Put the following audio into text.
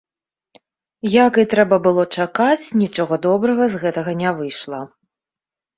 Як і трэба было чакаць, нічога добрага з гэтага не выйшла.